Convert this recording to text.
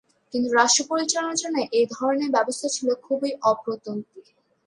কিন্তু রাষ্ট্র পরিচালনার জন্য এ ধরনের ব্যবস্থা ছিল খুবই অপ্রতুল।